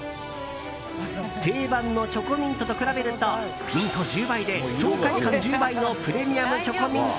定番のチョコミントと比べるとミント１０倍で爽快感１０倍のプレミアムチョコミント。